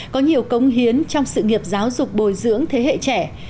có nhiều cống hiến trong sự nghiệp giáo dục bồi dưỡng thế hệ trẻ